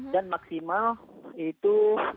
dan maksimal itu enam puluh lima